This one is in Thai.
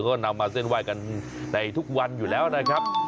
ก็นำมาเส้นไหว้กันในทุกวันอยู่แล้วนะครับ